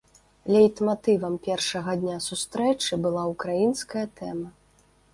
Лейтматывам першага дня сустрэчы была ўкраінская тэма.